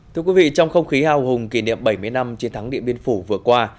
thưa quý vị trong không khí hào hùng kỷ niệm bảy mươi năm chiến thắng điện biên phủ vừa qua